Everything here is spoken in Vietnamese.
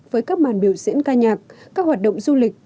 với các màn biểu diễn ca nhạc các hoạt động du lịch